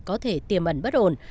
có thể tiềm ẩn bất ổn